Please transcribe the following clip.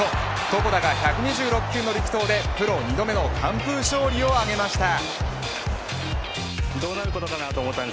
床田が１２６球の力投でプロ２度目の完封勝利を挙げました。